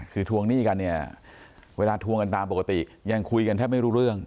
คือทวงหนี้กันเนี่ยเวลาทวงกันตามปกติยังคุยกันแทบไม่รู้เรื่อง